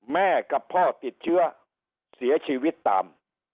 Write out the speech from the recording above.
แม่กับพ่อติดเชื้อเสียชีวิตตาม